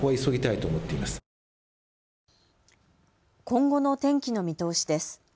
今後の天気の見通しです。